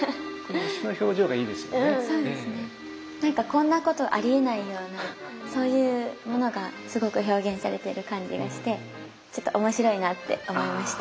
こんなことありえないようなそういうものがすごく表現されてる感じがしてちょっと面白いなって思いました。